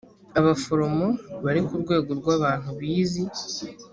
abaforomo bari ku rwego rwabantu bizi.